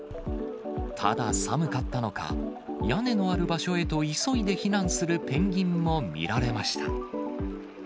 ただ、寒かったのか、屋根のある場所へと急いで避難するペンギンも見られました。